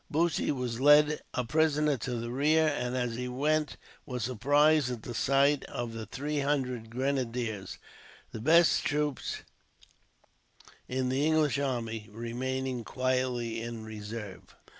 Bussy was led a prisoner to the rear, and as he went was surprised at the sight of the three hundred grenadiers, the best troops in the English army, remaining quietly in reserve.